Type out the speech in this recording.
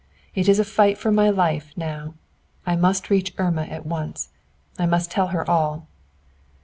It is a fight for my life now. I must reach Irma at once. I must tell her all."